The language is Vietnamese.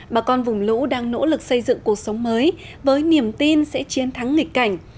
bà con vùng lũ đang nỗ lực xây dựng cuộc sống mới với niềm tin sẽ chiến thắng nghịch cảnh